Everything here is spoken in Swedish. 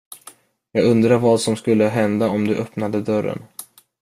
Jag undrar vad som skulle hända om du öppnade dörren.